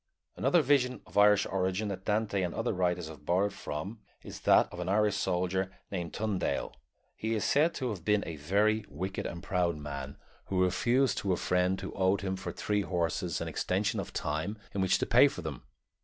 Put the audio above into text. Another vision of Irish origin that Dante and other writers have borrowed from is that of an Irish soldier named Tundale. He is said to have been a very wicked and proud man, who refused to a friend who owed him for three horses an extension of time in which to pay for them.